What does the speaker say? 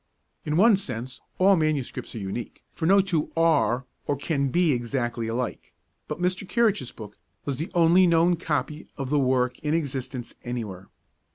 In one sense all manuscripts are unique, for no two are or can be exactly alike, but Mr. Kerrich's book was the only known copy of the work in existence anywhere.